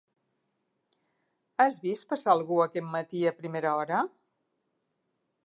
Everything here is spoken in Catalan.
Has vist passar algú aquest matí a primera hora?